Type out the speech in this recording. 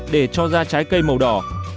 để cho ra trái cây màu đỏ